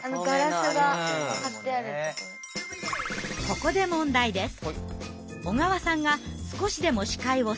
ここで問題です。